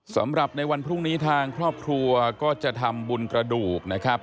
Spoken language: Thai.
สำหรับในวันพรุ่งนี้ทางครอบครัวก็จะทำบุญกระดูกนะครับ